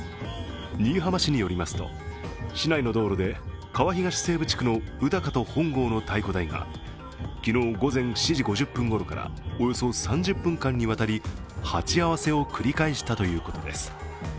新居浜市によりますと、市内の道路で川東西部地区で昨日午前７時５０分ごろからおよそ３０分間にわたり鉢合わせを繰り返したということです。